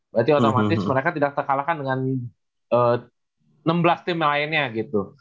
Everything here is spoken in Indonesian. berarti otomatis mereka tidak terkalahkan dengan enam belas tim lainnya gitu